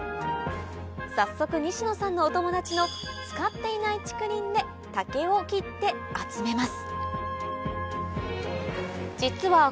早速西野さんのお友達の使っていない竹林で竹を切って集めます